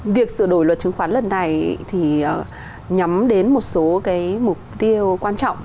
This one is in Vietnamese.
việc sửa đổi luật chứng khoán lần này thì nhắm đến một số cái mục tiêu quan trọng